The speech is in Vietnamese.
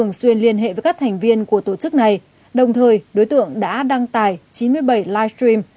trường xuyên liên hệ với các thành viên của tổ chức này đồng thời đối tượng đã đăng tài chín mươi bảy live stream